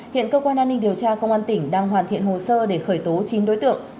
hiện cơ quan an ninh điều tra công an tỉnh đang hoàn thiện hồ sơ để khởi tố chín đối tượng